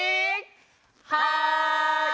はい！